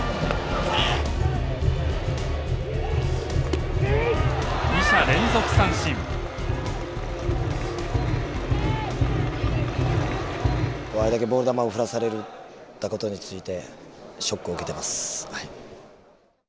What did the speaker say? あれだけボール球を振らされたことについてショックを受けてますはい。